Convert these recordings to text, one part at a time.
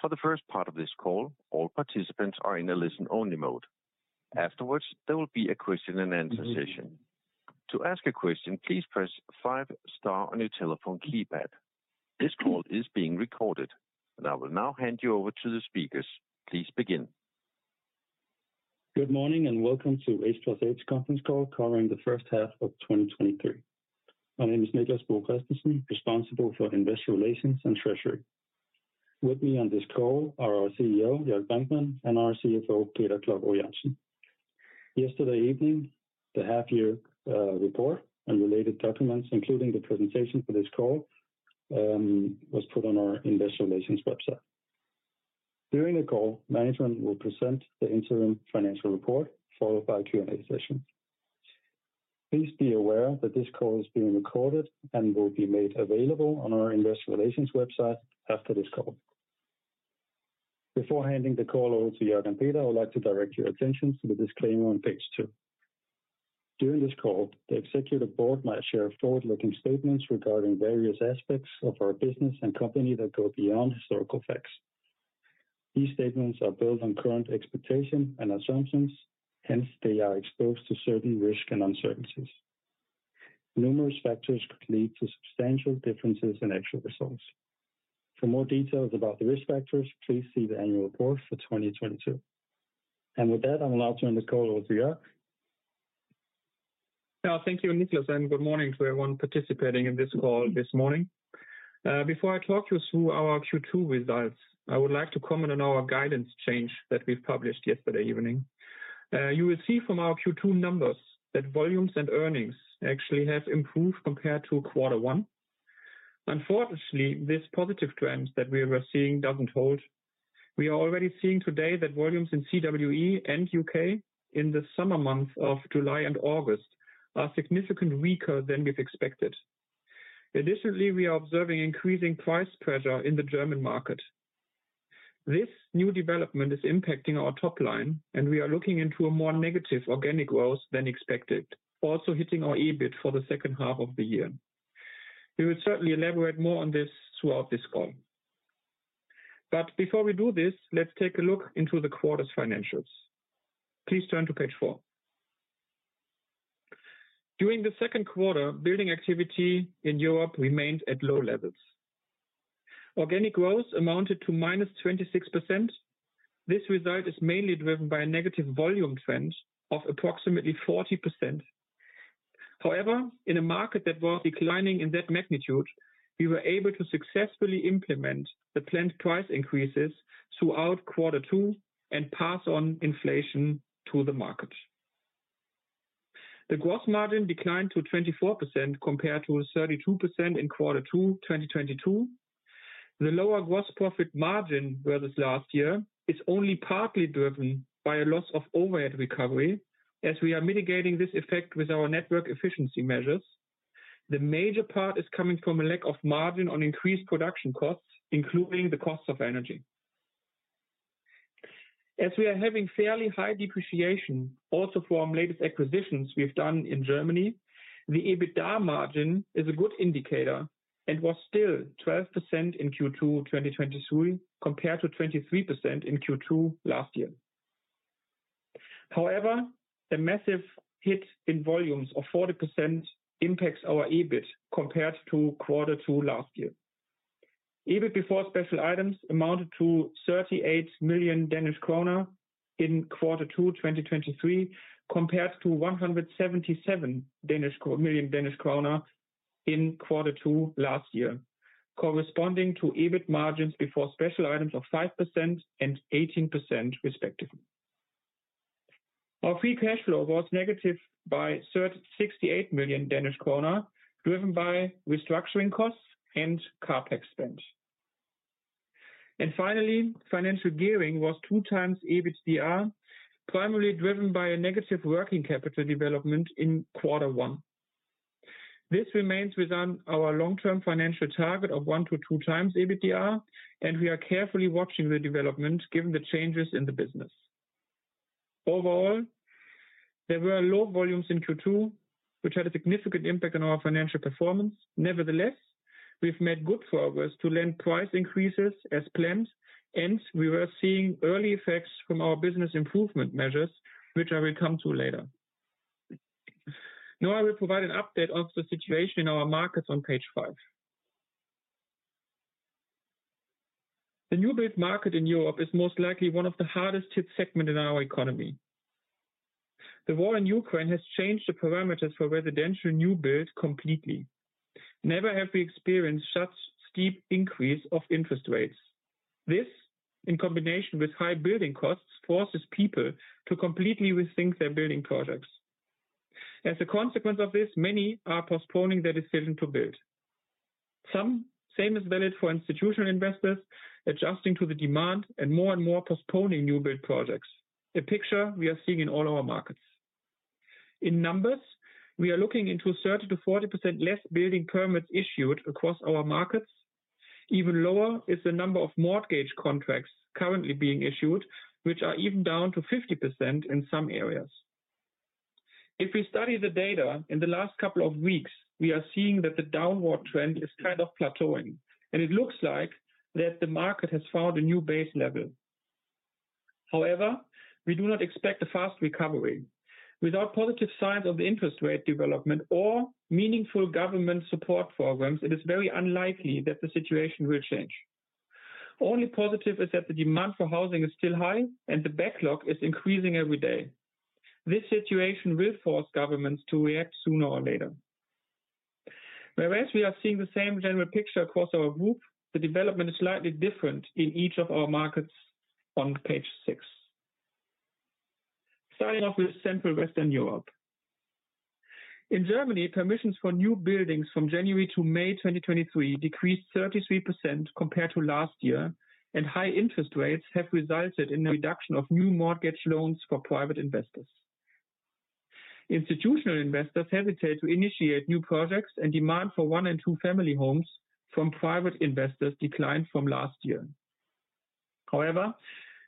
For the first part of this call, all participants are in a listen-only mode. Afterwards, there will be a question and answer session. To ask a question, please press five star on your telephone keypad. This call is being recorded, I will now hand you over to the speakers. Please begin. Good morning. Welcome to H+H conference call covering the first half of 2023. My name is Niclas Bo Kristensen, responsible for investor relations and treasury. With me on this call are our CEO, Jörg Brinkmann, and our CFO, Peter Klovgaard-Jørgensen. Yesterday evening, the half year report and related documents, including the presentation for this call, was put on our investor relations website. During the call, management will present the interim financial report, followed by Q&A session. Please be aware that this call is being recorded and will be made available on our investor relations website after this call. Before handing the call over to Jörg and Peter, I would like to direct your attention to the disclaimer on Page two. During this call, the executive board might share forward-looking statements regarding various aspects of our business and company that go beyond historical facts. These statements are built on current expectation and assumptions, hence they are exposed to certain risks and uncertainties. Numerous factors could lead to substantial differences in actual results. For more details about the risk factors, please see the annual report for 2022. With that, I will now turn the call over to Jörg. Yeah, thank you, Niclas. Good morning to everyone participating in this call this morning. Before I talk you through our Q2 results, I would like to comment on our guidance change that we've published yesterday evening. You will see from our Q2 numbers that volumes and earnings actually have improved compared to quarter one. Unfortunately, this positive trend that we were seeing doesn't hold. We are already seeing today that volumes in CWE and U.K. in the summer months of July and August are significantly weaker than we've expected. Additionally, we are observing increasing price pressure in the German market. This new development is impacting our top line, and we are looking into a more negative organic growth than expected, also hitting our EBIT for the second half of the year. We will certainly elaborate more on this throughout this call. Before we do this, let's take a look into the quarter's financials. Please turn to Page four. During the second quarter, building activity in Europe remained at low levels. Organic growth amounted to -26%. This result is mainly driven by a negative volume trend of approximately 40%. However, in a market that was declining in that magnitude, we were able to successfully implement the planned price increases throughout quarter two and pass on inflation to the market. The gross margin declined to 24%, compared to 32% in quarter two, 2022. The lower gross profit margin whereas last year, is only partly driven by a loss of overhead recovery, as we are mitigating this effect with our network efficiency measures. The major part is coming from a lack of margin on increased production costs, including the cost of energy. As we are having fairly high depreciation, also from latest acquisitions we've done in Germany, the EBITDA margin is a good indicator and was still 12% in Q2 2023, compared to 23% in Q2 last year. However, the massive hit in volumes of 40% impacts our EBIT compared to quarter two last year. EBIT before special items amounted to 38 million Danish krone in quarter two, 2023, compared to 177 million Danish krone in quarter two last year, corresponding to EBIT margins before special items of 5% and 18%, respectively. Our free cash flow was negative by 36.68 million Danish kroner, driven by restructuring costs and CapEx spend. Finally, financial gearing was 2x EBITDA, primarily driven by a negative working capital development in quarter one. This remains within our long-term financial target of one to two times EBITDA, and we are carefully watching the development given the changes in the business. Overall, there were low volumes in Q2, which had a significant impact on our financial performance. Nevertheless, we've made good progress to lend price increases as planned, and we were seeing early effects from our business improvement measures, which I will come to later. Now I will provide an update of the situation in our markets on Page five. The new build market in Europe is most likely one of the hardest hit segment in our economy. The war in Ukraine has changed the parameters for residential new build completely. Never have we experienced such steep increase of interest rates. This, in combination with high building costs, forces people to completely rethink their building projects. As a consequence of this, many are postponing their decision to build. Some same is valid for institutional investors, adjusting to the demand and more and more postponing new build projects, a picture we are seeing in all our markets. In numbers, we are looking into 30%-40% less building permits issued across our markets. Even lower is the number of mortgage contracts currently being issued, which are even down to 50% in some areas. If we study the data, in the last couple of weeks, we are seeing that the downward trend is kind of plateauing, and it looks like that the market has found a new base level. However, we do not expect a fast recovery. Without positive signs of the interest rate development or meaningful government support programs, it is very unlikely that the situation will change. Only positive is that the demand for housing is still high, and the backlog is increasing every day. This situation will force governments to react sooner or later. Whereas we are seeing the same general picture across our group, the development is slightly different in each of our markets on Page six. Starting off with Central Western Europe. In Germany, permissions for new buildings from January to May 2023 decreased 33% compared to last year, and high interest rates have resulted in a reduction of new mortgage loans for private investors. Institutional investors hesitate to initiate new projects, and demand for one and two family homes from private investors declined from last year. However,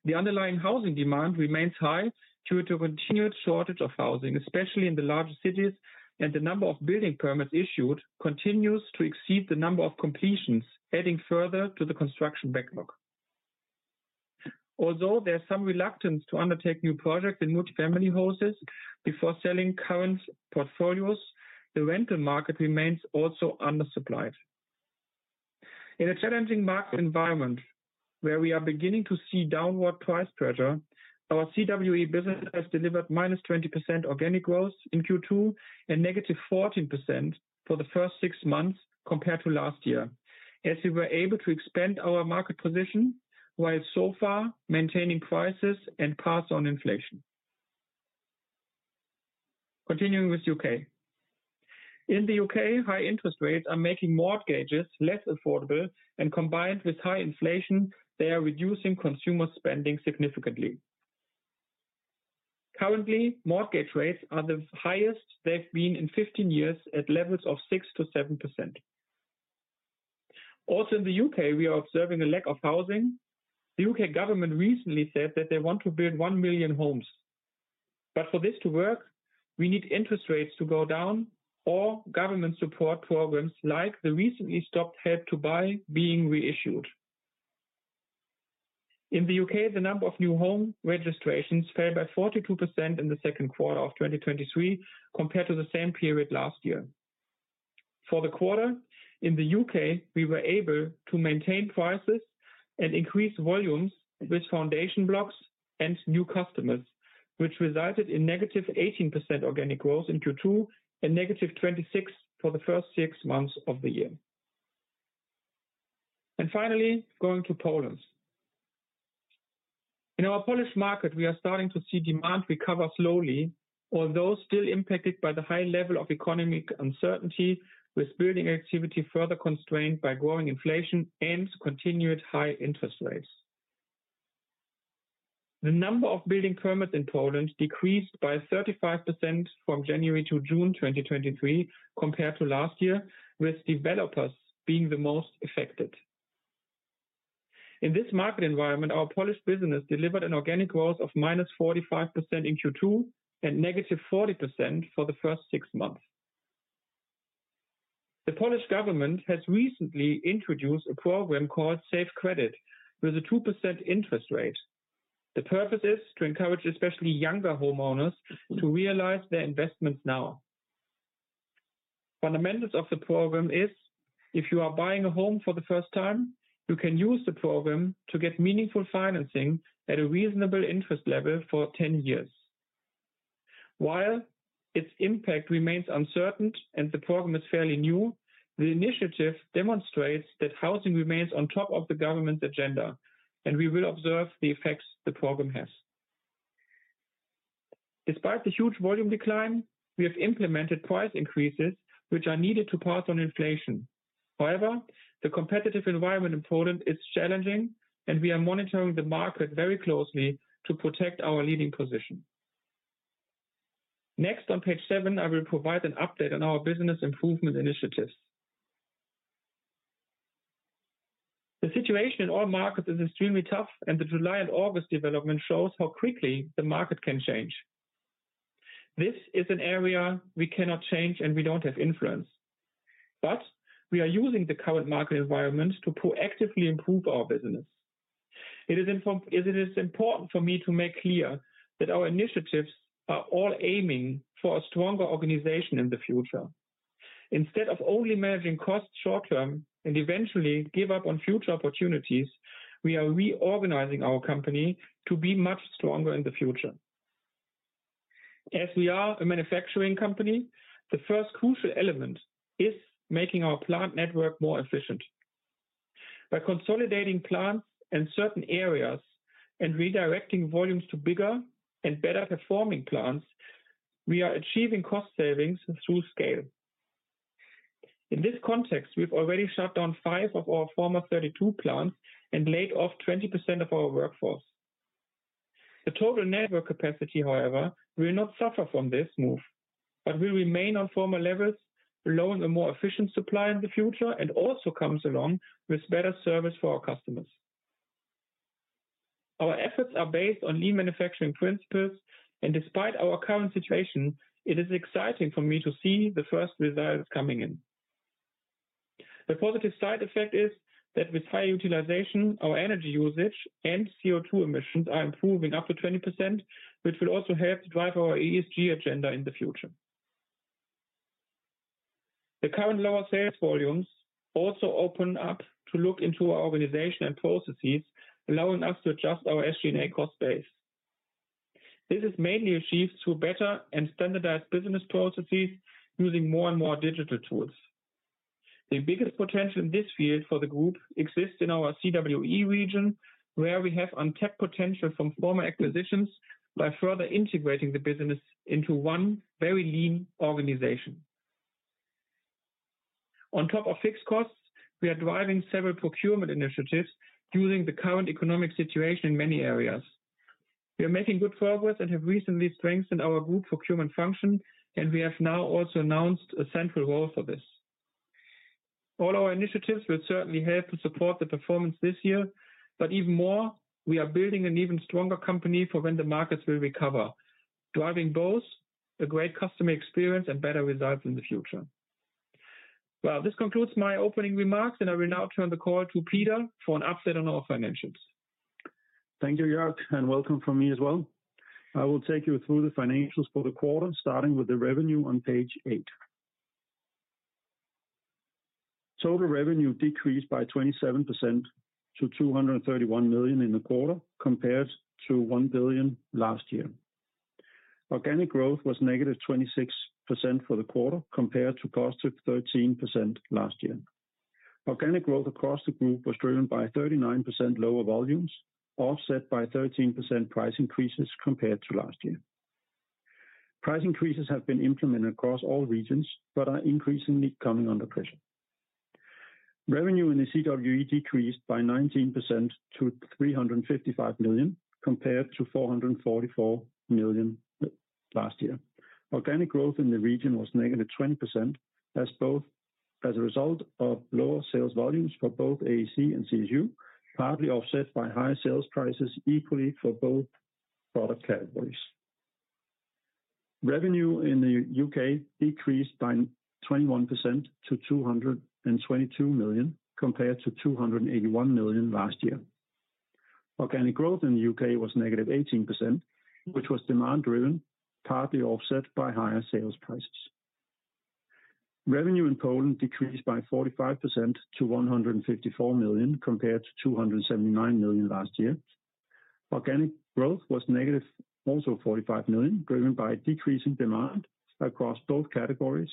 the underlying housing demand remains high due to a continued shortage of housing, especially in the larger cities, and the number of building permits issued continues to exceed the number of completions, adding further to the construction backlog. Although there are some reluctance to undertake new projects in multifamily houses before selling current portfolios, the rental market remains also undersupplied. In a challenging market environment where we are beginning to see downward price pressure, our CWE business has delivered -20% organic growth in Q2 and -14% for the six months compared to last year, as we were able to expand our market position while so far maintaining prices and pass on inflation. Continuing with U.K. In the U.K., high interest rates are making mortgages less affordable, and combined with high inflation, they are reducing consumer spending significantly. Currently, mortgage rates are the highest they've been in 15 years, at levels of 6%-7%. In the U.K., we are observing a lack of housing. The U.K. government recently said that they want to build one million homes, for this to work, we need interest rates to go down or government support programs like the recently stopped Help to Buy being reissued. In the U.K., the number of new home registrations fell by 42% in the second quarter of 2023 compared to the same period last year. For the quarter, in the U.K., we were able to maintain prices and increase volumes with foundation blocks and new customers, which resulted in -18% organic growth in Q2 and -26 for the first six months of the year. Finally, going to Poland. In our Polish market, we are starting to see demand recover slowly, although still impacted by the high level of economic uncertainty, with building activity further constrained by growing inflation and continued high interest rates. The number of building permits in Poland decreased by 35% from January to June 2023 compared to last year, with developers being the most affected. In this market environment, our Polish business delivered an organic growth of -45% in Q2 and -40% for the first six months. The Polish government has recently introduced a program called Safe Credit with a 2% interest rate. The purpose is to encourage, especially younger homeowners, to realize their investments now. Fundamentals of the program is: if you are buying a home for the first time, you can use the program to get meaningful financing at a reasonable interest level for 10 years. While its impact remains uncertain and the program is fairly new, the initiative demonstrates that housing remains on top of the government's agenda, and we will observe the effects the program has. Despite the huge volume decline, we have implemented price increases, which are needed to pass on inflation. However, the competitive environment in Poland is challenging, and we are monitoring the market very closely to protect our leading position. Next, on Page seven, I will provide an update on our business improvement initiatives. The situation in all markets is extremely tough, and the July and August development shows how quickly the market can change. This is an area we cannot change and we don't have influence, but we are using the current market environment to proactively improve our business. It is important for me to make clear that our initiatives are all aiming for a stronger organization in the future. Instead of only managing costs short term and eventually give up on future opportunities, we are reorganizing our company to be much stronger in the future. As we are a manufacturing company, the first crucial element is making our plant network more efficient. By consolidating plants in certain areas and redirecting volumes to bigger and better performing plants, we are achieving cost savings through scale. In this context, we've already shut down five of our former 32 plants and laid off 20% of our workforce. The total network capacity, however, will not suffer from this move, but will remain on former levels, lowering a more efficient supply in the future, and also comes along with better service for our customers. Our efforts are based on lean manufacturing principles, and despite our current situation, it is exciting for me to see the first results coming in. The positive side effect is that with high utilization, our energy usage and CO2 emissions are improving up to 20%, which will also help to drive our ESG agenda in the future. The current lower sales volumes also open up to look into our organization and processes, allowing us to adjust our SG&A cost base. This is mainly achieved through better and standardized business processes, using more and more digital tools. The biggest potential in this field for the group exists in our CWE region, where we have untapped potential from former acquisitions by further integrating the business into one very lean organization. On top of fixed costs, we are driving several procurement initiatives during the current economic situation in many areas. We are making good progress and have recently strengthened our group procurement function, and we have now also announced a central role for this. All our initiatives will certainly help to support the performance this year, but even more, we are building an even stronger company for when the markets will recover, driving both a great customer experience and better results in the future. Well, this concludes my opening remarks, and I will now turn the call to Peter for an update on our financials. Thank you, Jörg, and welcome from me as well. I will take you through the financials for the quarter, starting with the revenue on Page eight. Total revenue decreased by 27% to 231 million in the quarter, compared to 1 billion last year. Organic growth was -26% for the quarter, compared to +13% last year. Organic growth across the group was driven by 39% lower volumes, offset by 13% price increases compared to last year. Price increases have been implemented across all regions, are increasingly coming under pressure. Revenue in the CWE decreased by 19% to 355 million, compared to 444 million last year. Organic growth in the region was -20%, as a result of lower sales volumes for both AAC and CSU, partly offset by higher sales prices equally for both product categories. Revenue in the U.K. decreased by 21% to 222 million, compared to 281 million last year. Organic growth in the U.K. was -18%, which was demand-driven, partly offset by higher sales prices. Revenue in Poland decreased by 45% to 154 million, compared to 279 million last year. Organic growth was negative, also 45 million, driven by a decrease in demand across both categories,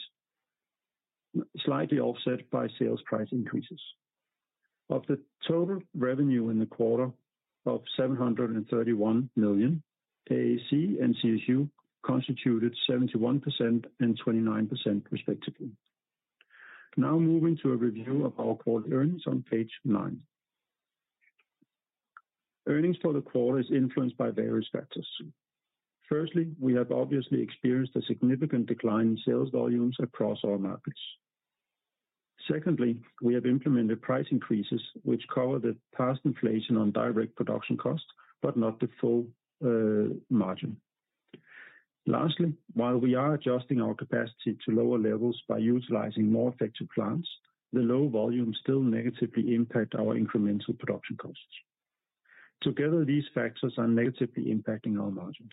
slightly offset by sales price increases. Of the total revenue in the quarter of 731 million, AAC and CSU constituted 71% and 29%, respectively. Now moving to a review of our core earnings on Page nine. Earnings for the quarter is influenced by various factors. Firstly, we have obviously experienced a significant decline in sales volumes across all markets. Secondly, we have implemented price increases, which cover the past inflation on direct production costs, but not the full margin. Lastly, while we are adjusting our capacity to lower levels by utilizing more effective plants, the low volumes still negatively impact our incremental production costs. Together, these factors are negatively impacting our margins.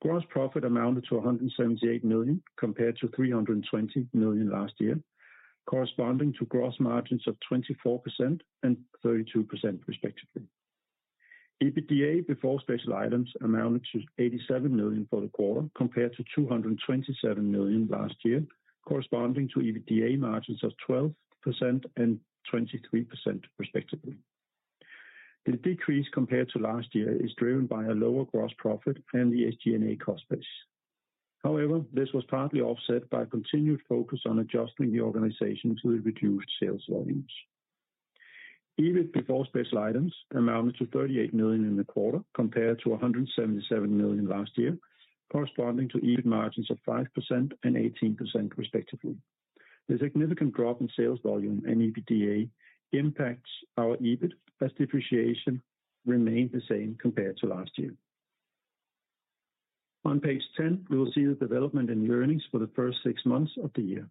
Gross profit amounted to 178 million, compared to 320 million last year, corresponding to gross margins of 24% and 32%, respectively. EBITDA before special items amounted to 87 million for the quarter, compared to 227 million last year, corresponding to EBITDA margins of 12% and 23%, respectively. The decrease compared to last year is driven by a lower gross profit and the SG&A cost base. However, this was partly offset by continued focus on adjusting the organization to the reduced sales volumes. EBIT before special items amounted to 38 million in the quarter, compared to 177 million last year, corresponding to EBIT margins of 5% and 18%, respectively. The significant drop in sales volume and EBITDA impacts our EBIT, as depreciation remained the same compared to last year. On Page 10, we will see the development in earnings for the first six months of the year.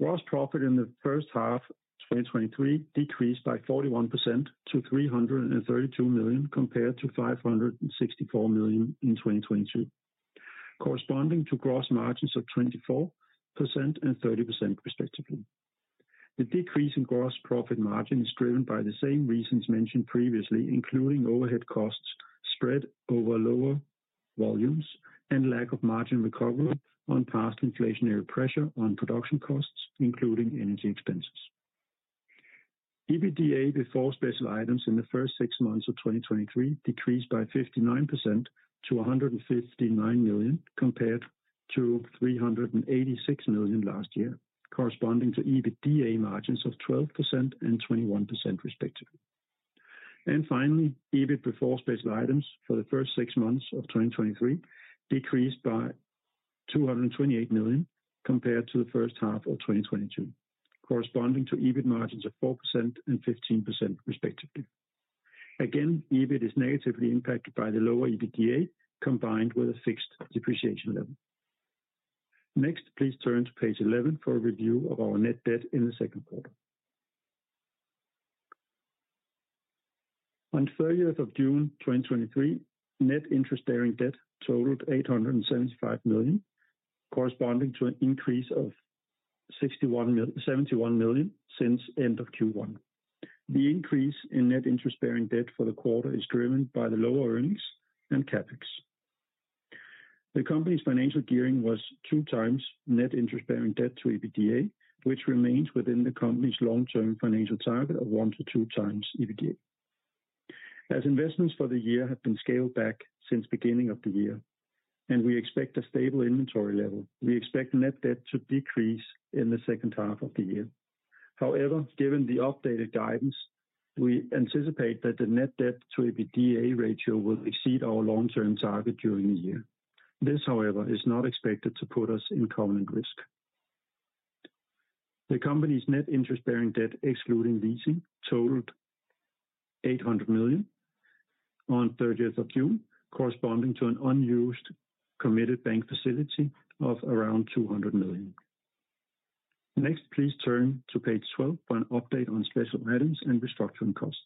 Gross profit in the first half of 2023 decreased by 41% to 332 million, compared to 564 million in 2022, corresponding to gross margins of 24% and 30%, respectively. The decrease in gross profit margin is driven by the same reasons mentioned previously, including overhead costs spread over lower volumes and lack of margin recovery on past inflationary pressure on production costs, including energy expenses. EBITDA before special items in the first six months of 2023 decreased by 59% to 159 million, compared to 386 million last year, corresponding to EBITDA margins of 12% and 21%, respectively. Finally, EBIT before special items for the first six months of 2023 decreased by 228 million compared to the first half of 2022, corresponding to EBIT margins of 4% and 15% respectively. Again, EBIT is negatively impacted by the lower EBITDA, combined with a fixed depreciation level. Next, please turn to Page 11 for a review of our net debt in the second quarter. On 30th of June, 2023, net interest-bearing debt totaled 875 million, corresponding to an increase of 71 million since end of Q1. The increase in net interest-bearing debt for the quarter is driven by the lower earnings and CapEx. The company's financial gearing was 2x net interest-bearing debt to EBITDA, which remains within the company's long-term financial target of 1x-2x EBITDA. As investments for the year have been scaled back since beginning of the year, and we expect a stable inventory level, we expect net debt to decrease in the second half of the year. However, given the updated guidance, we anticipate that the net debt to EBITDA ratio will exceed our long-term target during the year. This, however, is not expected to put us in covenant risk. The company's net interest bearing debt, excluding leasing, totaled 800 million on 30th of June, corresponding to an unused committed bank facility of around 200 million. Next, please turn to Page 12 for an update on special items and restructuring costs.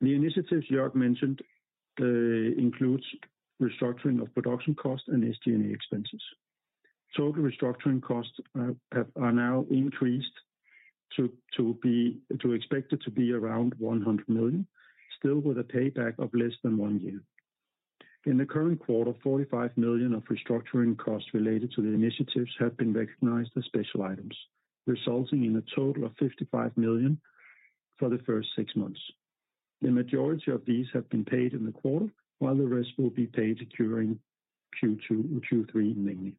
The initiatives Jörg mentioned, includes restructuring of production costs and SG&A expenses. Total restructuring costs are now increased to expect it to be around 100 million, still with a payback of less than one year. In the current quarter, 45 million of restructuring costs related to the initiatives have been recognized as special items, resulting in a total of 55 million for the first six months. The majority of these have been paid in the quarter, while the rest will be paid during Q2 and Q3 mainly.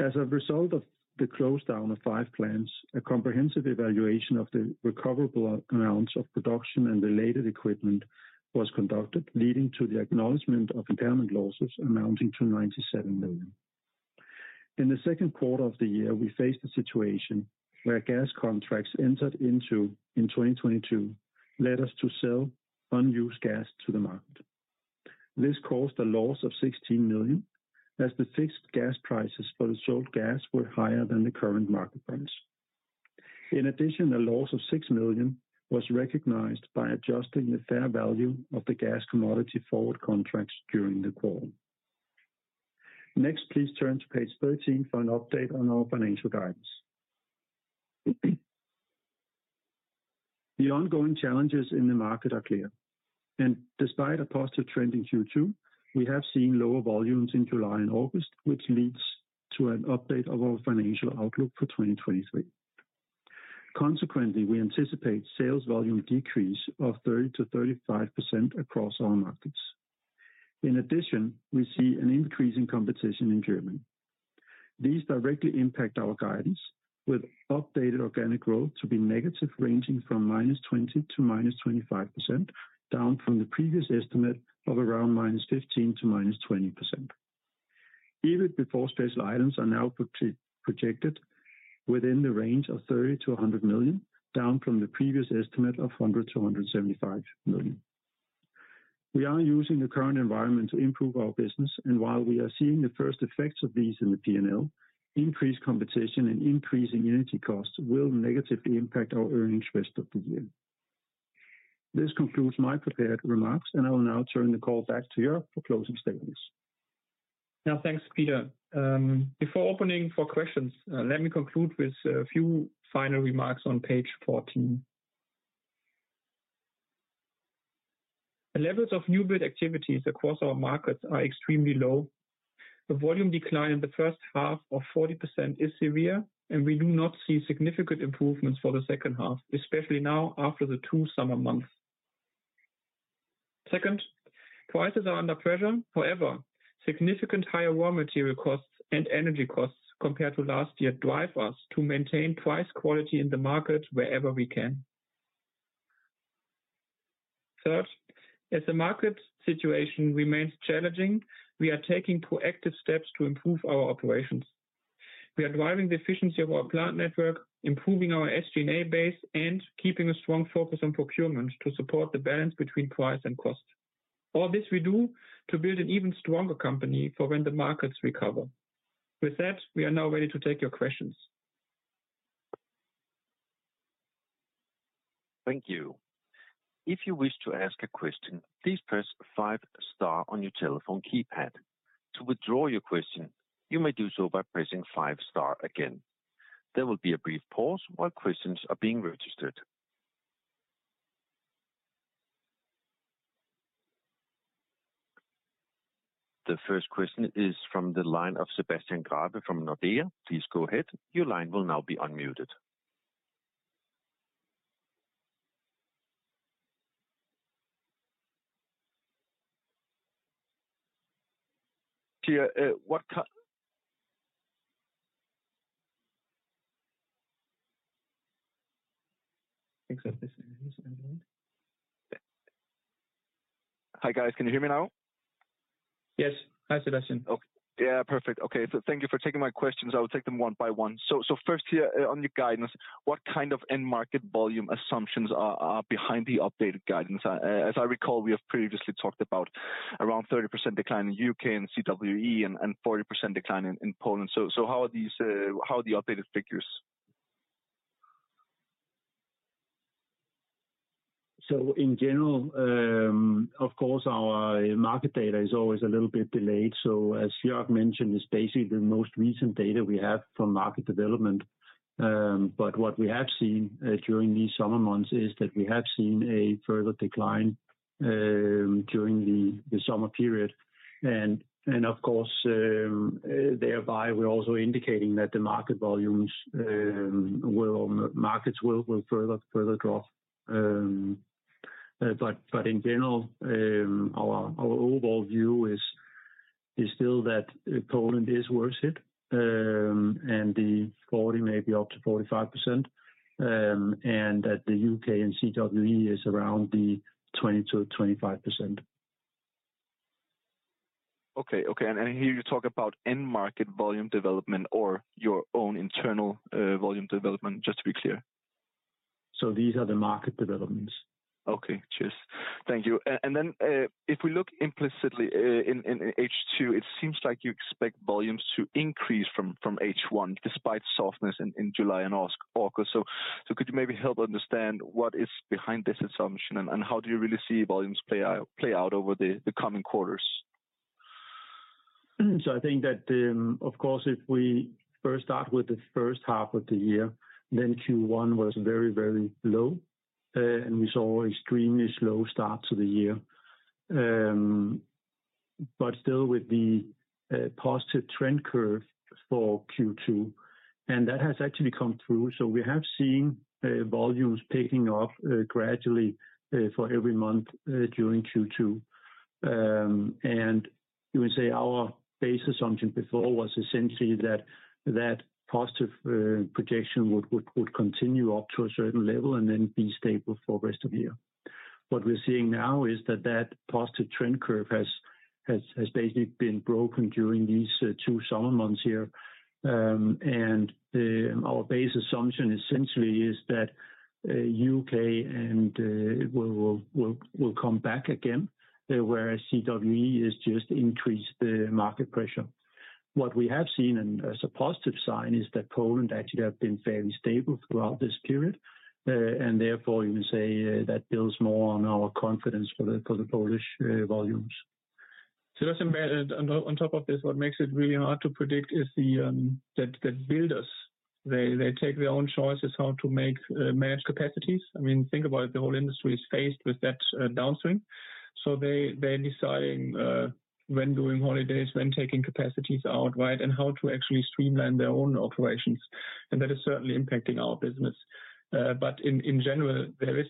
As a result of the close down of five plants, a comprehensive evaluation of the recoverable amounts of production and related equipment was conducted, leading to the acknowledgment of impairment losses amounting to 97 million. In the second quarter of the year, we faced a situation where gas contracts entered into in 2022 led us to sell unused gas to the market. This caused a loss of 16 million, as the fixed gas prices for the sold gas were higher than the current market price. In addition, a loss of 6 million was recognized by adjusting the fair value of the gas commodity forward contracts during the quarter. Next, please turn to Page 13 for an update on our financial guidance. The ongoing challenges in the market are clear, and despite a positive trend in Q2, we have seen lower volumes in July and August, which leads to an update of our financial outlook for 2023. Consequently, we anticipate sales volume decrease of 30%-35% across all markets. In addition, we see an increase in competition in Germany. These directly impact our guidance, with updated organic growth to be negative, ranging from -20% to -25%, down from the previous estimate of around -15% to -20%. EBIT before special items are now projected within the range of 30 million-100 million, down from the previous estimate of 100 million-175 million. We are using the current environment to improve our business, while we are seeing the first effects of these in the P&L, increased competition and increasing energy costs will negatively impact our earnings rest of the year. This concludes my prepared remarks. I will now turn the call back to Jörg for closing statements. Now, thanks, Peter. Before opening for questions, let me conclude with a few final remarks on Page 14. The levels of new build activities across our markets are extremely low. The volume decline in the first half of 40% is severe, and we do not see significant improvements for the second half, especially now after the two summer months. Second, prices are under pressure. However, significant higher raw material costs and energy costs compared to last year drive us to maintain price quality in the market wherever we can. Third, as the market situation remains challenging, we are taking proactive steps to improve our operations. We are driving the efficiency of our plant network, improving our SG&A base, and keeping a strong focus on procurement to support the balance between price and cost. All this we do to build an even stronger company for when the markets recover. With that, we are now ready to take your questions. Thank you. If you wish to ask a question, please press five star on your telephone keypad. To withdraw your question, you may do so by pressing five star again. There will be a brief pause while questions are being registered. The first question is from the line of Sebastian Grabe from Nordea. Please go ahead. Your line will now be unmuted. Hi, guys. Can you hear me now? Yes. Hi, Sebastian. Okay. Yeah, perfect. Okay, thank you for taking my questions. I will take them one by one. First here, on your guidance, what kind of end market volume assumptions are, are behind the updated guidance? As I recall, we have previously talked about around 30% decline in U.K. and CWE, and, and 40% decline in, in Poland. How are these, How are the updated figures? In general, of course, our market data is always a little bit delayed. As Jörg mentioned, it's basically the most recent data we have from market development. What we have seen during these summer months is that we have seen a further decline during the summer period. Of course, thereby we're also indicating that the market volumes will, markets will, will further, further drop. In general, our, our overall view is, is still that Poland is worth it, and the 40, maybe up to 45%, and that the U.K. and CWE is around the 20%-25%. Okay, okay. I hear you talk about end market volume development or your own internal volume development, just to be clear. These are the market developments. Okay, cheers. Thank you. If we look implicitly, in H2, it seems like you expect volumes to increase from H1, despite softness in July and August. Could you maybe help understand what is behind this assumption, and how do you really see volumes play out, play out over the coming quarters? I think that, of course, if we first start with the first half of the year, then Q1 was very, very low, and we saw extremely slow start to the year. Still with the positive trend curve for Q2, and that has actually come through. We have seen volumes picking up gradually for every month during Q2. You would say our base assumption before was essentially that, that positive projection would continue up to a certain level and then be stable for rest of the year. What we're seeing now is that, that positive trend curve has basically been broken during these two summer months here. Our base assumption essentially is that U.K. and will come back again, whereas CWE is just increase the market pressure. What we have seen, and as a positive sign, is that Poland actually have been fairly stable throughout this period, and therefore you can say that builds more on our confidence for the, for the Polish volumes. That's a matter. On top of this, what makes it really hard to predict is that builders, they take their own choices how to manage capacities. I mean, think about it, the whole industry is faced with that downstream. They're deciding when doing holidays, when taking capacities out, right? How to actually streamline their own operations, and that is certainly impacting our business. But in general, there is,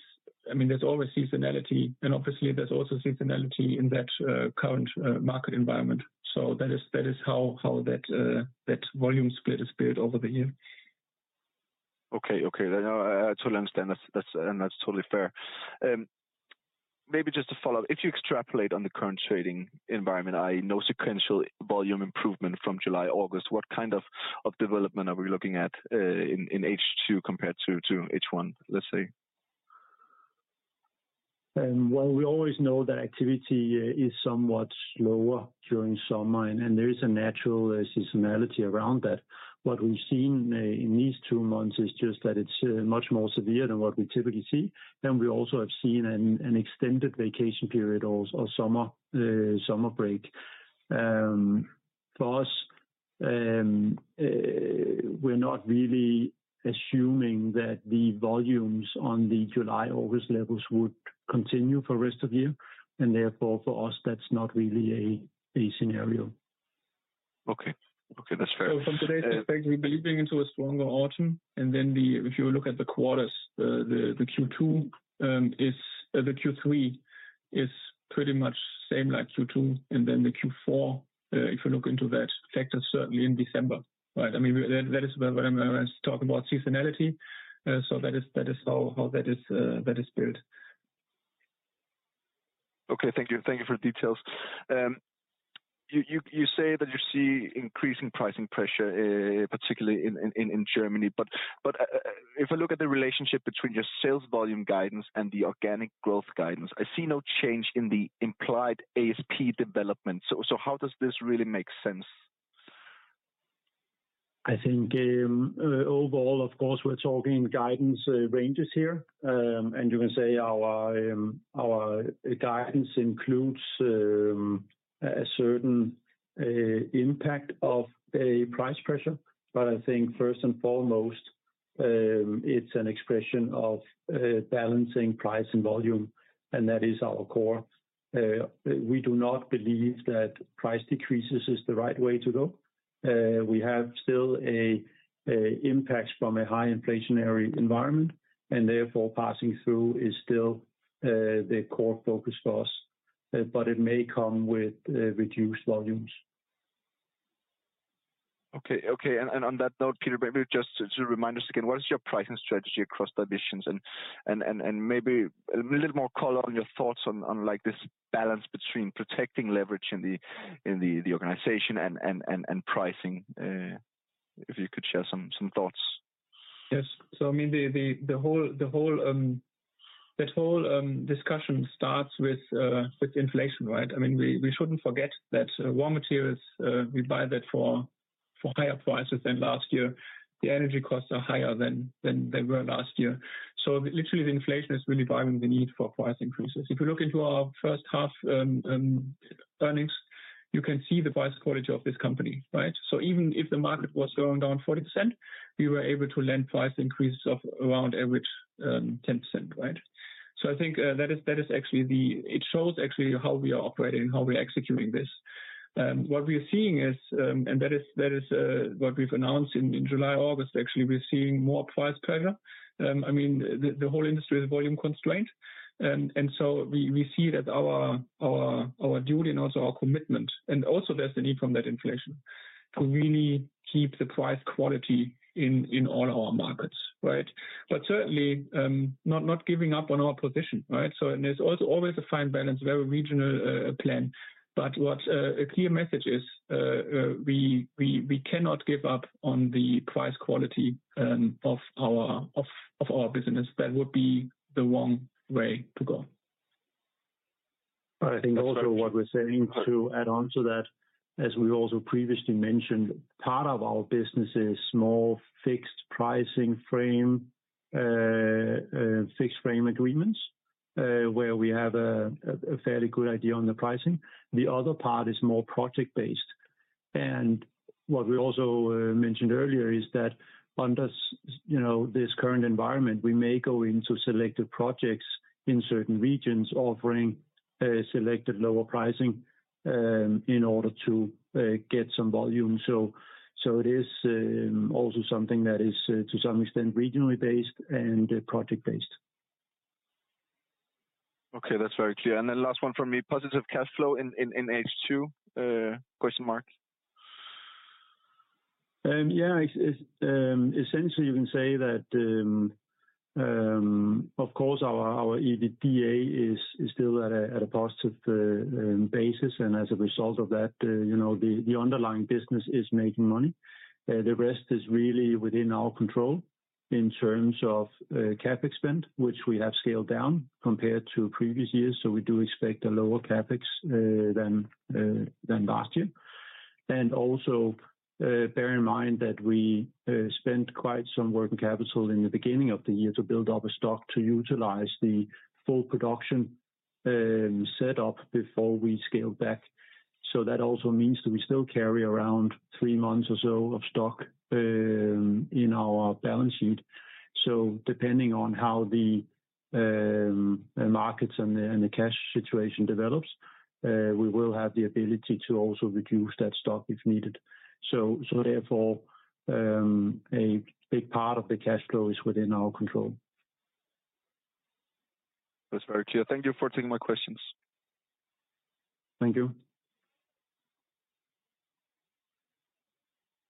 I mean, there's always seasonality, and obviously there's also seasonality in that current market environment. That is how that volume split is built over the year. Okay, okay. I totally understand, that's, and that's totally fair. Maybe just to follow up, if you extrapolate on the current trading environment, I know sequential volume improvement from July, August, what kind of development are we looking at in H2 compared to H1, let's say? Well, we always know that activity is somewhat slower during summer, and there is a natural seasonality around that. What we've seen in these two months is just that it's much more severe than what we typically see, and we also have seen an, an extended vacation period or, or summer, summer break. For us, we're not really assuming that the volumes on the July-August levels would continue for rest of the year, and therefore, for us, that's not really a, a scenario. Okay. Okay, that's fair. From today's perspective, we believe into a stronger autumn, and then, if you look at the quarters, Q2, Q3 is pretty much same like Q2, and then the Q4, if you look into that factor, certainly in December, right? I mean, that is what I'm talking about, seasonality. That is how that is built. Okay, thank you. Thank you for the details. You say that you see increasing pricing pressure, particularly in Germany, but, but, if I look at the relationship between your sales volume guidance and the organic growth guidance, I see no change in the implied ASP development. So how does this really make sense? I think, overall, of course, we're talking guidance ranges here. You can say our, our guidance includes a certain impact of a price pressure. I think first and foremost, it's an expression of balancing price and volume, and that is our core. We do not believe that price decreases is the right way to go. We have still a impact from a high inflationary environment, and therefore, passing through is still the core focus for us, but it may come with reduced volumes.... Okay, okay. And on that note, Peter, maybe just to remind us again, what is your pricing strategy across divisions? And, and, and, and maybe a little more color on your thoughts on, on, like, this balance between protecting leverage in the, in the, the organization and pricing, if you could share some, some thoughts. Yes. I mean, that whole discussion starts with inflation, right? I mean, we, we shouldn't forget that raw materials, we buy that for, for higher prices than last year. The energy costs are higher than, than they were last year. Literally, the inflation is really driving the need for price increases. If you look into our first half earnings, you can see the price quality of this company, right? Even if the market was going down 40%, we were able to lend price increases of around average, 10%, right? I think, that is, that is actually. It shows actually how we are operating and how we're executing this. What we are seeing is, and that is, that is, what we've announced in July, August, actually, we're seeing more price pressure. I mean, the whole industry is volume constrained, and, and so we, we see that our, our, our duty and also our commitment, and also there's the need from that inflation, to really keep the price quality in, in all our markets, right? Certainly, not, not giving up on our position, right? There's also always a fine balance, very regional, plan. What a, a clear message is, we, we, we cannot give up on the price quality of our business. That would be the wrong way to go. I think also what we're saying, to add on to that, as we also previously mentioned, part of our business is small, fixed pricing frame, fixed frame agreements, where we have a, a fairly good idea on the pricing. The other part is more project-based. What we also mentioned earlier is that under you know, this current environment, we may go into selected projects in certain regions offering selected lower pricing, in order to get some volume. It is also something that is to some extent, regionally based and project-based. Okay, that's very clear. Last one from me, positive cash flow in H2, question mark? Yeah, essentially, you can say that, of course, our EBITDA is still at a positive basis, and as a result of that, you know, the underlying business is making money. The rest is really within our control in terms of CapEx spend, which we have scaled down compared to previous years, so we do expect a lower CapEx than last year. Also, bear in mind that we spent quite some working capital in the beginning of the year to build up a stock to utilize the full production set up before we scaled back. That also means that we still carry around thre months or so of stock in our balance sheet. Depending on how the markets and the, and the cash situation develops, we will have the ability to also reduce that stock if needed. Therefore, a big part of the cash flow is within our control. That's very clear. Thank you for taking my questions. Thank you.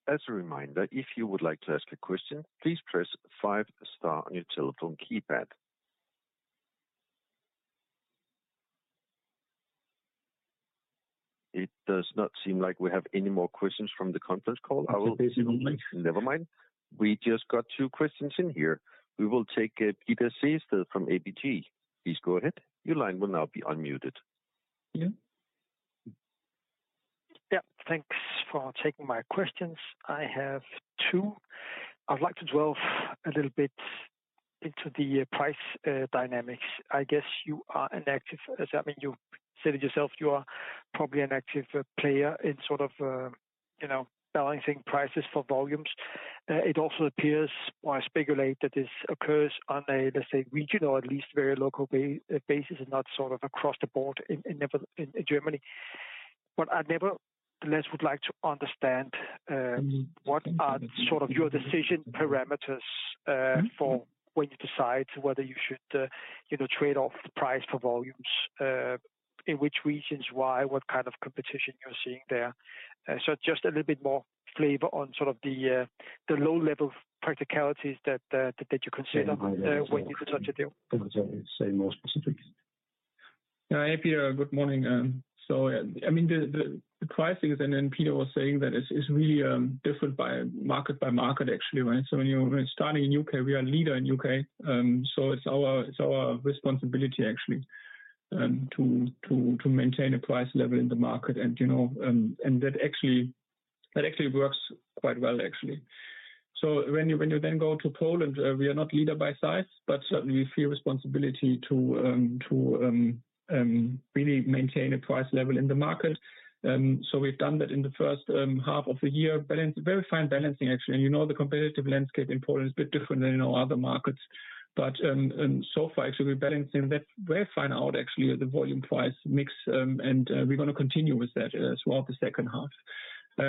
As a reminder, if you would like to ask a question, please press five star on your telephone keypad. It does not seem like we have any more questions from the conference call. Never mind. We just got two questions in here. We will take it, Peter Sehested from ABG. Please go ahead. Your line will now be unmuted. Yeah. Yeah, thanks for taking my questions. I have two. I'd like to dwell a little bit into the price dynamics. I guess you are an active, as, I mean, you said it yourself, you are probably an active player in sort of, you know, balancing prices for volumes. It also appears, or I speculate, that this occurs on a, let's say, regional or at least very local basis, and not sort of across the board in, in, in Germany. I nevertheless would like to understand what are sort of your decision parameters for when you decide whether you should, you know, trade off the price for volumes, in which regions, why, what kind of competition you're seeing there? Just a little bit more flavor on sort of the, the low-level practicalities that, that, that you consider, when you do such a deal. Say more specifics. Yeah, good morning. I mean, the, the, the pricing, Peter was saying that it's, it's really different by market by market, actually, right? When you're starting in U.K., we are a leader in U.K., it's our, it's our responsibility actually, to, to, to maintain a price level in the market. You know, that actually... That actually works quite well, actually. When you, when you then go to Poland, we are not leader by size, but certainly we feel responsibility to really maintain a price level in the market. We've done that in the first half of the year. Balance, very fine balancing, actually. You know, the competitive landscape in Poland is a bit different than in our other markets. So far, actually, we're balancing that very fine out, actually, the volume price mix, and we're gonna continue with that as well, the second half.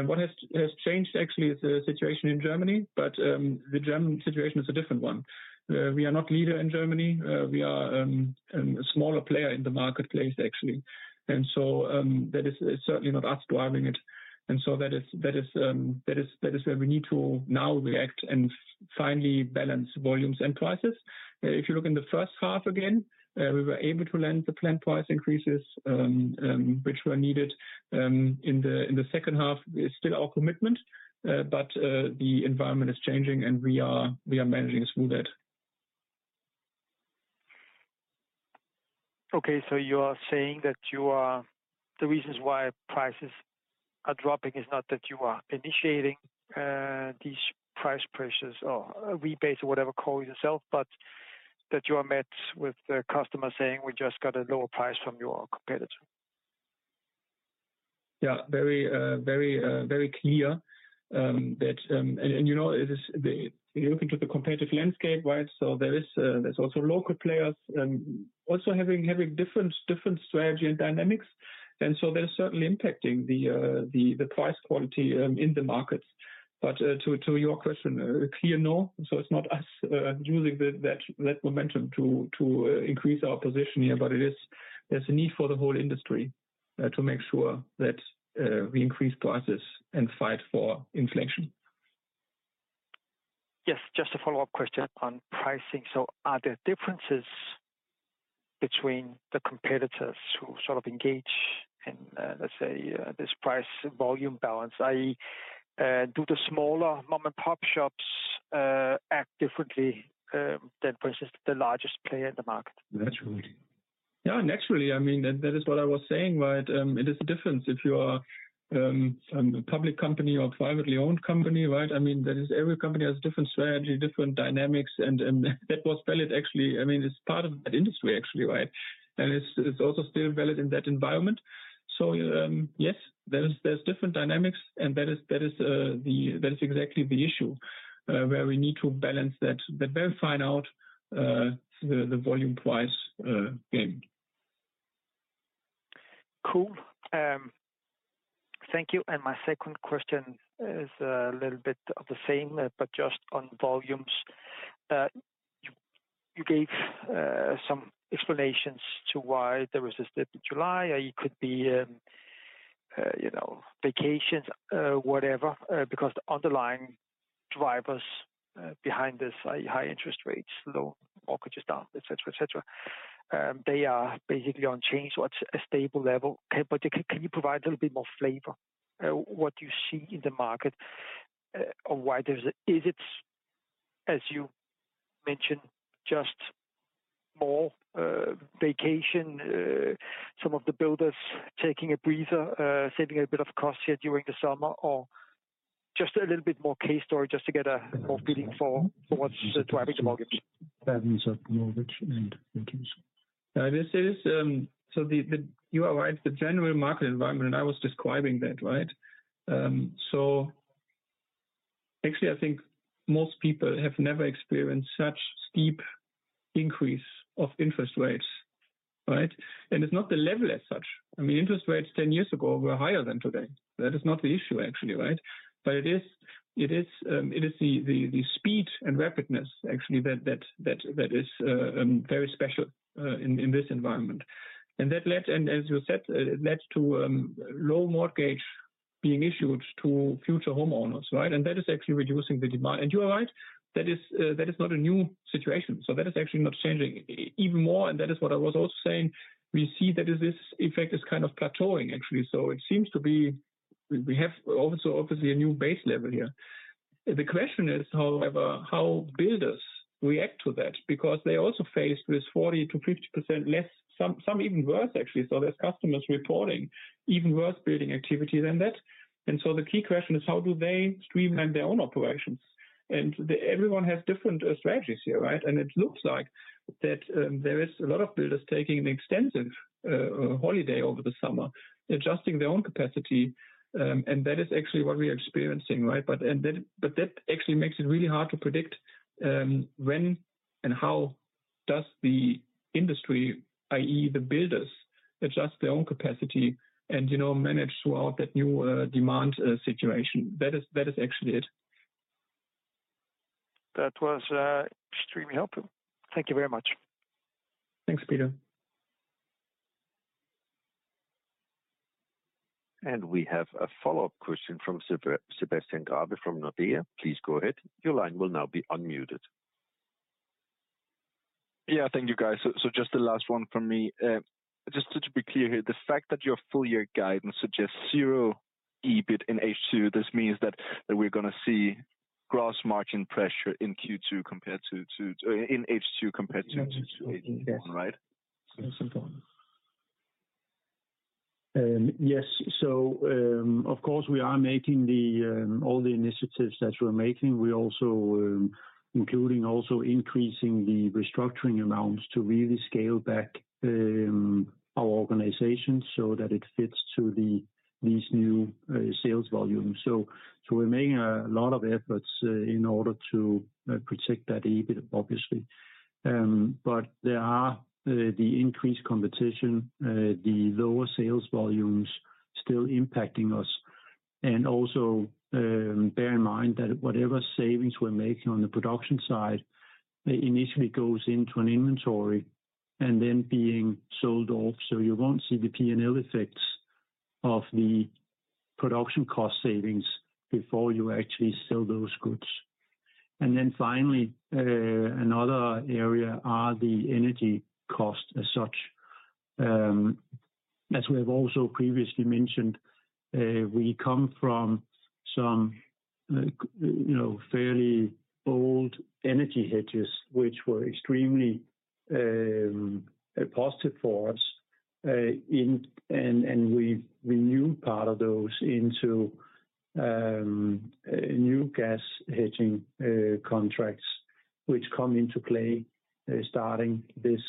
What has, has changed actually is the situation in Germany, but the German situation is a different one. We are not leader in Germany. We are a smaller player in the marketplace, actually. So that is, is certainly not us driving it. So that is, that is, that is, that is where we need to now react and finally balance volumes and prices. If you look in the first half again, we were able to land the planned price increases, which were needed. In the, in the second half, it's still our commitment, but the environment is changing, and we are, we are managing through that. Okay, you are saying that the reasons why prices are dropping is not that you are initiating these price pressures or rebates or whatever you call it yourself, but that you are met with the customer saying, "We just got a lower price from your competitor? Yeah. Very, very, very clear. You know, you're looking to the competitive landscape, right? There is, there's also local players, also having, having different, different strategy and dynamics. They're certainly impacting the, the price quality in the markets. To, to your question, a clear no. It's not us using the, that, that momentum to, to increase our position here, but there's a need for the whole industry to make sure that we increase prices and fight for inflation. Yes. Just a follow-up question on pricing. Are there differences between the competitors who sort of engage in, let's say, this price volume balance, i.e., do the smaller mom-and-pop shops act differently than versus the largest player in the market? Naturally. Yeah, naturally. I mean, that, that is what I was saying, right? It is different if you are a public company or privately owned company, right? I mean, every company has different strategy, different dynamics, and that was valid, actually. I mean, it's part of that industry, actually, right? It's also still valid in that environment. Yes, there are different dynamics, and that is exactly the issue where we need to balance that, but then find out the volume price gain. Cool. Thank you. My second question is a little bit of the same, but just on volumes. You, you gave some explanations to why there was this dip in July. It could be, you know, vacations, whatever, because the underlying drivers behind this, high interest rates, low mortgages down, et cetera, et cetera, they are basically unchanged. What's a stable level? Can, can you provide a little bit more flavor what you see in the market, or why there's a... Is it, as you mentioned, just more vacation, some of the builders taking a breather, saving a bit of cost here during the summer, or just a little bit more case story just to get a more feeling for? For what's driving the market. Patterns of mortgage and intentions. This is... You are right, the general market environment, I was describing that, right? Actually, I think most people have never experienced such steep increase of interest rates, right? It's not the level as such. I mean, interest rates 10 years ago were higher than today. That is not the issue, actually, right? It is the speed and rapidness actually, that is very special in this environment. That led, and as you said, led to low mortgage being issued to future homeowners, right? That is actually reducing the demand. You are right, that is not a new situation. That is actually not changing even more, and that is what I was also saying. We see that this effect is kind of plateauing, actually. It seems to be, we have also obviously a new base level here. The question is, however, how builders react to that, because they're also faced with 40%-50% less, some even worse, actually. There's customers reporting even worse building activity than that. The key question is: how do they streamline their own operations? Everyone has different strategies here, right? It looks like that there is a lot of builders taking an extensive holiday over the summer, adjusting their own capacity, and that is actually what we are experiencing, right? That actually makes it really hard to predict, when and how does the industry, i.e., the builders, adjust their own capacity and, you know, manage throughout that new demand situation. That is, that is actually it. That was, extremely helpful. Thank you very much. Thanks, Peter. We have a follow-up question from Sebastian Grabe from Nordea. Please go ahead. Your line will now be unmuted. Yeah, thank you, guys. Just the last one from me. Just to be clear here, the fact that your full year guidance suggests zero EBIT in H2, this means that we're gonna see gross margin pressure in H2 compared to Q2, right? Yes, of course, we are making the all the initiatives that we're making. We also, including also increasing the restructuring amounts to really scale back our organization so that it fits to the, these new sales volumes. We're making a lot of efforts in order to protect that EBIT, obviously. There are the increased competition, the lower sales volumes still impacting us. Also, bear in mind that whatever savings we're making on the production side, it initially goes into an inventory and then being sold off. You won't see the P&L effects of the production cost savings before you actually sell those goods. Finally, another area are the energy costs as such. As we have also previously mentioned, we come from some, you know, fairly old energy hedges, which were extremely positive for us in and we renewed part of those into new gas hedging contracts, which come into play starting this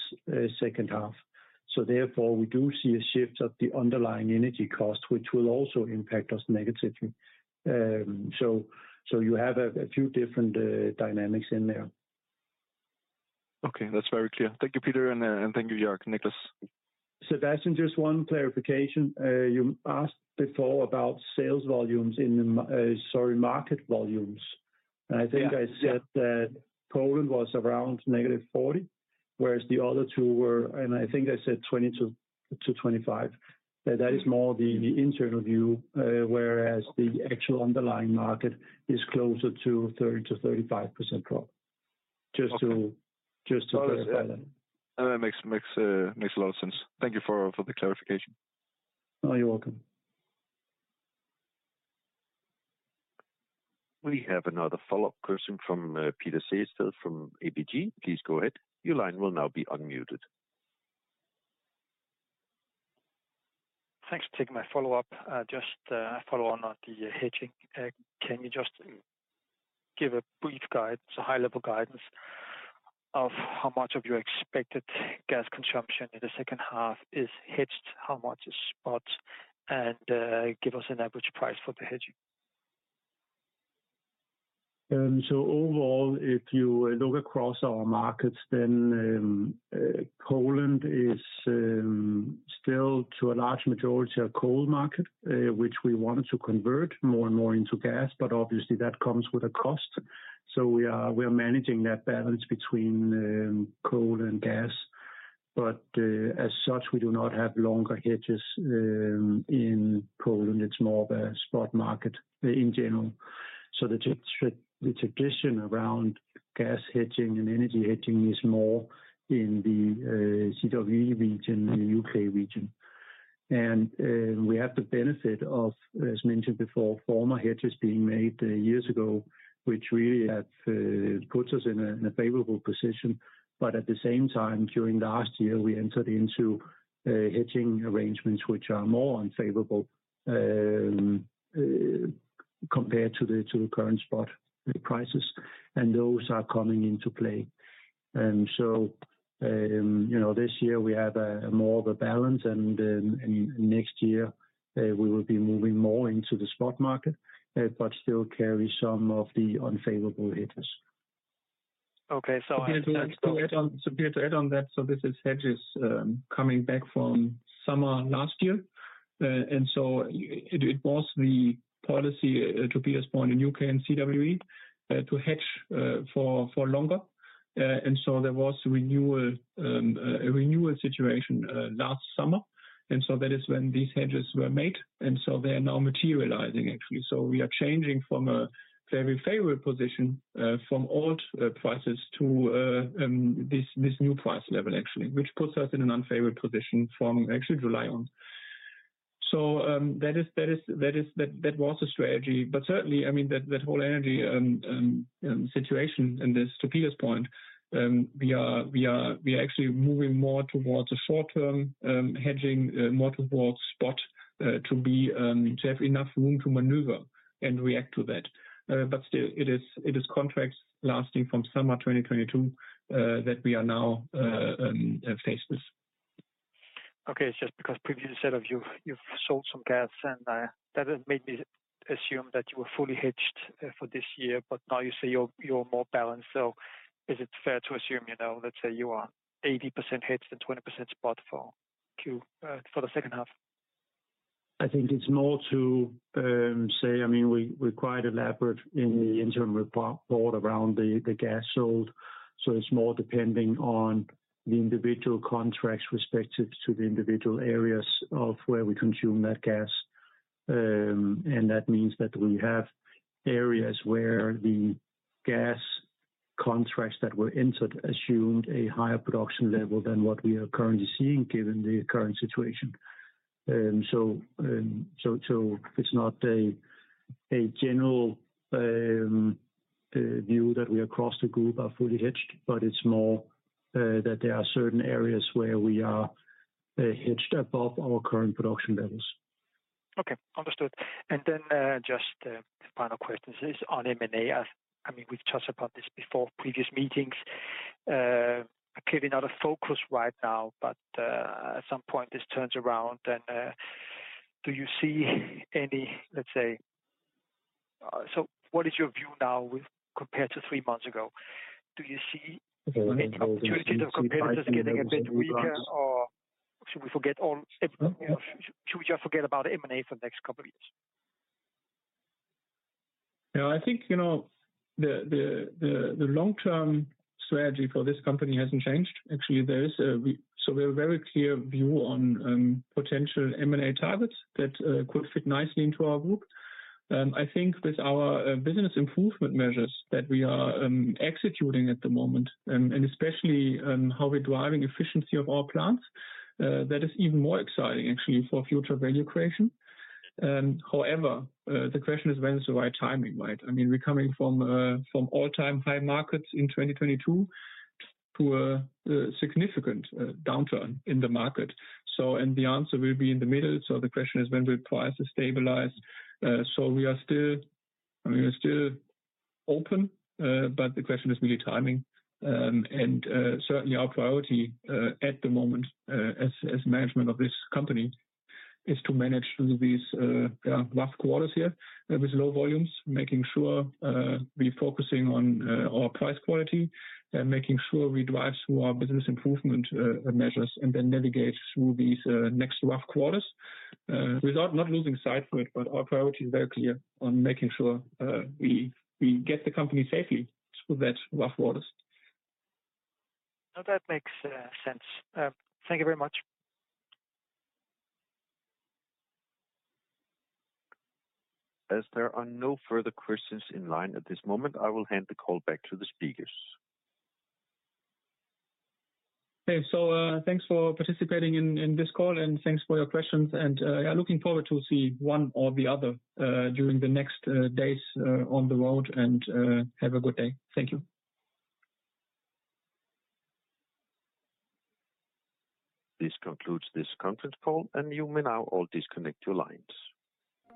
second half. Therefore, we do see a shift at the underlying energy cost, which will also impact us negatively. You have a few different dynamics in there. Okay, that's very clear. Thank you, Peter, and, and thank you, Jörg. Niclas. Sebastian, just one clarification. You asked before about sales volumes in the m-- sorry, market volumes. I think I said that Poland was around -40, whereas the other two were... I think I said 20 to, to 25. That is more the, the internal view, whereas the actual underlying market is closer to 30%-35% drop. Just to, just to clarify that. It makes, makes, makes a lot of sense. Thank you for, for the clarification. Oh, you're welcome. We have another follow-up question from Peter Sehested from ABG. Please go ahead. Your line will now be unmuted. Thanks for taking my follow-up. Just follow on, on the hedging. Can you just give a brief guide, so high-level guidance, of how much of your expected gas consumption in the second half is hedged, how much is spot, and give us an average price for the hedging? Overall, if you look across our markets, Poland is still to a large majority, a coal market, which we wanted to convert more and more into gas, obviously that comes with a cost. We are, we are managing that balance between coal and gas. As such, we do not have longer hedges in Poland. It's more of a spot market in general. The tradition around gas hedging and energy hedging is more in the CWE region, in the U.K. region. We have the benefit of, as mentioned before, former hedges being made years ago, which really have puts us in a, in a favorable position. At the same time, during last year, we entered into hedging arrangements, which are more unfavorable compared to the current spot prices, and those are coming into play. You know, this year we have a more of a balance, and then, and next year, we will be moving more into the spot market, but still carry some of the unfavorable hedges. Okay. To add on, Peter, to add on that, this is hedges coming back from summer last year. It, it was the policy to be as point in U.K. and CWE to hedge for longer. There was a renewal, a renewal situation last summer. That is when these hedges were made, so they are now materializing, actually. We are changing from a very favored position from old prices to this, this new price level, actually, which puts us in an unfavorable position from actually July on. That was the strategy. Certainly, I mean, that, that whole energy situation and this, to Peter's point, we are, we are, we are actually moving more towards a short-term hedging model board spot to be to have enough room to maneuver and react to that. Still it is, it is contracts lasting from summer 2022 that we are now face this. Okay. It's just because previously you said of you, you've sold some gas, and that has made me assume that you were fully hedged for this year, but now you say you're, you're more balanced. Is it fair to assume, you know, let's say you are 80% hedged and 20% spot for Q for the second half? I think it's more to say, I mean, we're, we're quite elaborate in the interim report board around the, the gas sold, so it's more depending on the individual contracts respective to the individual areas of where we consume that gas. That means that we have areas where the gas contracts that were entered assumed a higher production level than what we are currently seeing, given the current situation. It's not a general view that we across the group are fully hedged, but it's more that there are certain areas where we are hedged above our current production levels. Okay, understood. Then, just, the final question is on M&A. I mean, we've talked about this before, previous meetings, clearly not a focus right now, but, at some point, this turns around and, do you see any, let's say... What is your view now with, compared to three months ago? Do you see any opportunity of competitors getting a bit weaker, or should we forget all... should we just forget about M&A for the next couple of years? No, I think, you know, the long-term strategy for this company hasn't changed. Actually, there is a so we have a very clear view on potential M&A targets that could fit nicely into our group. I think with our business improvement measures that we are executing at the moment, and especially how we're driving efficiency of our plants, that is even more exciting, actually, for future value creation. However, the question is when is the right timing, right? I mean, we're coming from from all-time high markets in 2022 to a significant downturn in the market. The answer will be in the middle. The question is when will prices stabilize? We are still, I mean, we're still open, but the question is really timing. Certainly our priority, at the moment, as, as management of this company, is to manage through these, yeah, rough quarters here, with low volumes, making sure we're focusing on our price quality. Making sure we drive through our business improvement measures, and then navigate through these next rough quarters, without not losing sight for it. Our priority is very clear on making sure we get the company safely through that rough waters. No, that makes sense. Thank you very much. As there are no further questions in line at this moment, I will hand the call back to the speakers. Okay, thanks for participating in, in this call, and thanks for your questions. Yeah, looking forward to see one or the other, during the next, days, on the road. Have a good day. Thank you. This concludes this conference call, and you may now all disconnect your lines.